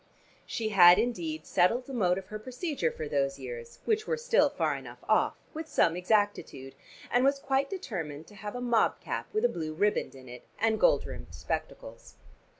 She had indeed settled the mode of her procedure for those years, which were still far enough off, with some exactitude, and was quite determined to have a mob cap with a blue riband in it, and gold rimmed spectacles.